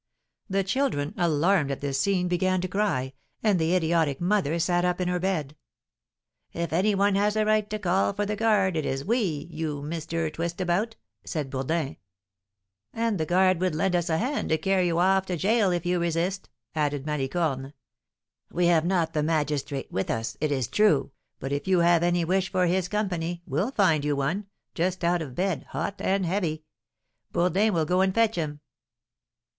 The children, alarmed at this scene, began to cry, and the idiotic mother sat up in her bed. "If any one has a right to call for the guard, it is we, you Mister Twistabout," said Bourdin. "And the guard would lend us a hand to carry you off to gaol if you resist," added Malicorne. "We have not the magistrate with us, it is true; but if you have any wish for his company, we'll find you one, just out of bed, hot and heavy; Bourdin will go and fetch him."